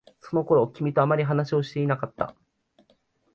その頃、君とあまり話をしていなかった。